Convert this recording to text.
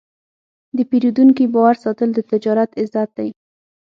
د پیرودونکي باور ساتل د تجارت عزت دی.